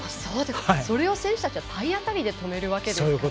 それを選手たちは体当たりで止めるわけですね。